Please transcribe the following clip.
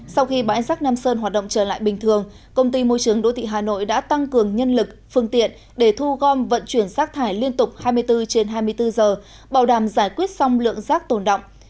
sau khi bãi rác nam sơn hoạt động trở lại bình thường công ty môi trường đô thị hà nội đã tăng cường nhân lực phương tiện để thu gom vận chuyển rác thải liên tục hai mươi bốn trên hai mươi bốn giờ bảo đảm giải quyết xong lượng rác tồn động